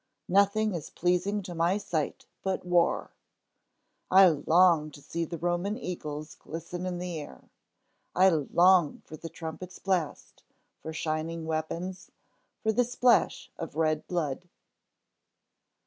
Nothing is pleasing to my sight but war. I long to see the Roman Eagles glisten in the air! I long for the trumpets' blast, for shining weapons, for the splash of red blood!